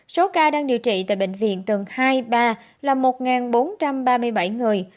số ca đang điều trị tại bệnh viện tầng hai ba là một bốn trăm ba mươi bảy người